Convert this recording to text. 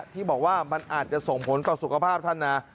ที่บอกว่ามันอาจจะส่งผลต่อสุขภาพท่านนะ